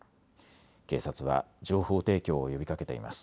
警察は情報提供を呼びかけています。